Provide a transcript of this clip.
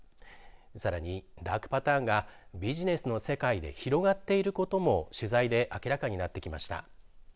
さらに、ダークパターンがビジネスの世界で広がっていることも取材で明らかになってきました。